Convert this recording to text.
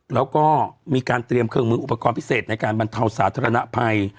แล้วก็มีการเตรียมเครื่องมืออุปกรณ์พิเศษในการบรรเทาสาธารณภัย